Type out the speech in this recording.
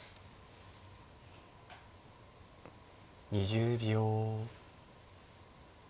２０秒。